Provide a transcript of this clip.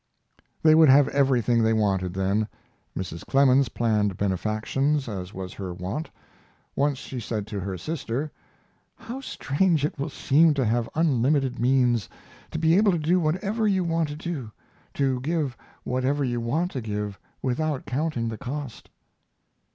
They would have everything they wanted then. Mrs. Clemens planned benefactions, as was her wont. Once she said to her sister: "How strange it will seem to have unlimited means, to be able to do whatever you want to do, to give whatever you want to give without counting the cost."